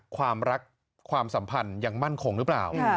ความรักความสัมพันธ์ยังมั่นคงหรือเปล่า